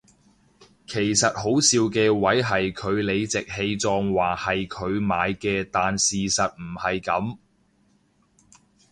其實好笑嘅位係佢理直氣壯話係佢買嘅但事實唔係噉